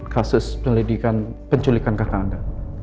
kasus penyelidikan penculikan kata anda